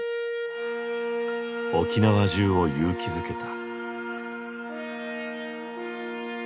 沖縄中を勇気づけた。